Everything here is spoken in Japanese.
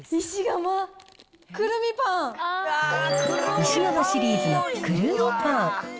石窯シリーズのくるみパン。